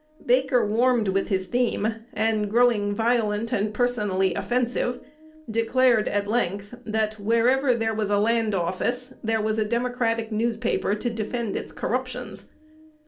Baker warmed with his theme, and, growing violent and personally offensive, declared at length, "that wherever there was a land office, there was a Democratic newspaper to defend its corruptions."